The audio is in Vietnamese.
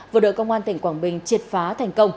vừa đợi công an tỉnh quảng bình triệt phá